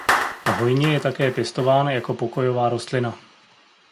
Hojně je také pěstován jako pokojová rostlina.